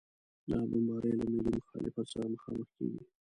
دا بمبارۍ له ملي مخالفت سره مخامخ کېږي.